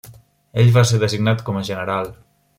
Ell va ser designat com a general.